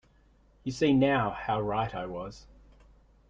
You see now how right I was.